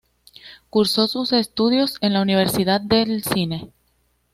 Cursó sus estudios en la Universidad del Cine.